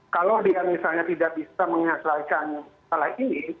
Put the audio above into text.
kalau dia misalnya tidak bisa menyesuaikan salah ini